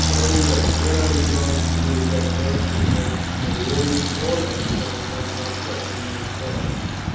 By the way, what are you going to do with that basketful of women's ornaments that I have locked up in my coffer?"